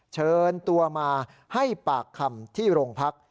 เชิญตัวมาให้ปากคำที่โรงพัก